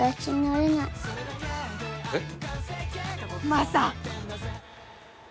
マサ